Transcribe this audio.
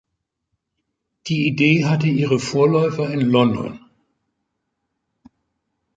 Die Idee hatte ihre Vorläufer in London.